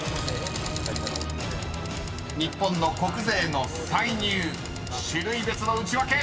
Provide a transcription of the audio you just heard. ［日本の国税の歳入種類別のウチワケ］